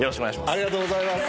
ありがとうございます。